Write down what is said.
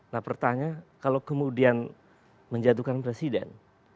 nah pertanyaan kalau kemudian menjatuhkan presiden